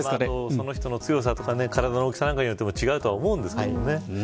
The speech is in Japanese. その人の強さとか体の大きさによっても違うと思うんですけどね。